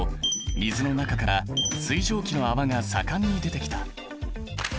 水の中から水蒸気の泡が盛んに出てきた。